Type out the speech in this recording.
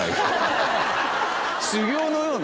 修業のような。